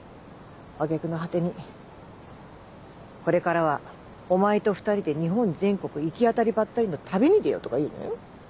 揚げ句の果てに「これからはお前と２人で日本全国行き当たりばったりの旅に出よう」とか言うのよ。